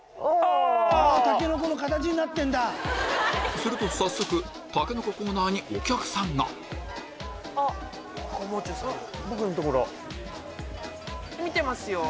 すると早速たけのこコーナーにお客さんが取ってくれた。